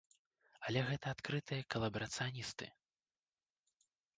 Але гэта адкрытыя калабарацыяністы.